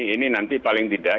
ini nanti paling tidak